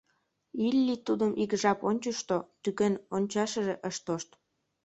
Илли тудым ик жап ончышто, тӱкен ончашыже ыш тошт.